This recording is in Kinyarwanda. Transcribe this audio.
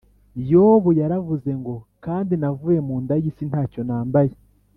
yobu yaravuze ngo kandi navuye munda yisi ntacyo nambaye